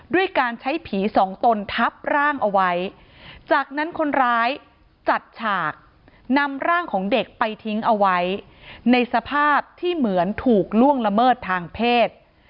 ด้วยการใช้ผีสองตนทับร่างเอาไว้จากนั้นคนร้ายจัดฉากนำร่างของเด็กไปทิ้งเอาไว้ในสภาพที่เหมือนถูกล่วงละเมิดทางเพศ